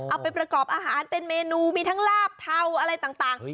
เอาไปประกอบอาหารเป็นเมนูมีทั้งลาบเทาอะไรต่าง